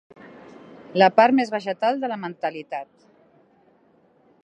La part més vegetal de la mentalitat.